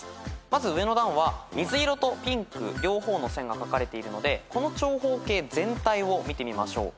まず上の段は水色とピンク両方の線が描かれているのでこの長方形全体を見てみましょう。